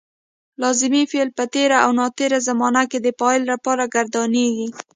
لازمي فعل په تېره او ناتېره زمانه کې د فاعل لپاره ګردانیږي.